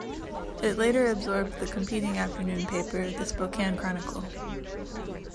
It later absorbed the competing afternoon paper, the Spokane Chronicle.